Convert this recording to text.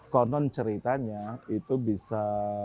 konon ceritanya itu bisa